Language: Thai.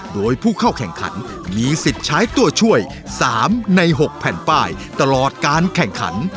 โดยผู้เข้าแข่งขันมีสิทธิ์ใช้ตัวช่วย๓ใน๖แผ่นป้ายตลอดการแข่งขัน